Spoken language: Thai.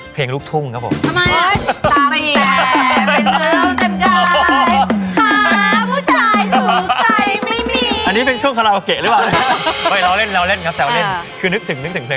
เพลงลูกทุ่งครับผม